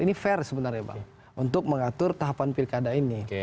ini fair sebenarnya bang untuk mengatur tahapan pilkada ini